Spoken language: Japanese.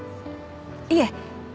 いえ。